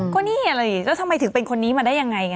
ก็นี่ไงแล้วทำไมถึงเป็นคนนี้มาได้ยังไง